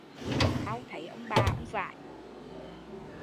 Đau thấy ông bà ông vải